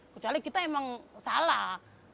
kecuali kita emang salah